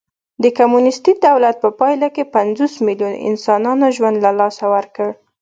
د کمونېستي دولت په پایله کې پنځوس میلیونو انسانانو ژوند له لاسه ورکړ